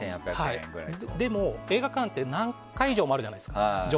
でも映画館って何会場もあるじゃないですか。